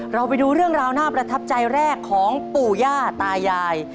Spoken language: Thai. เราไปดูเรื่องราวน่าประทับใจแรกของปู่ย่าตายาย